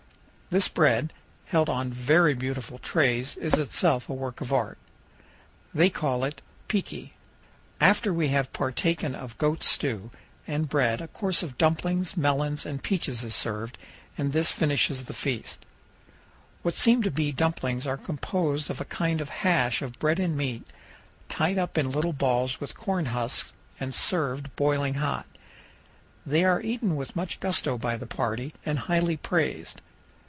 This bread, held on very beautiful trays, is itself a work of art. They call it powell canyons 209.jpg THE HOUSE OF TALTI, CHIEF OF THE COUNCIL IN THE TOWN OF OBAIBI. piki. After we have partaken of goat stew and bread a course of dumplings, melons, and peaches is served, and this finishes the feast. What seem to be dumplings are composed of a kind of hash of bread and meat, tied up in little balls with cornhusks and served boiling hot. They are eaten with much gusto by the party and highly praised.